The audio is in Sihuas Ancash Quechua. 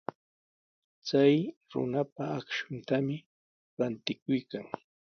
Chay runaqa akshutami rantikuykan.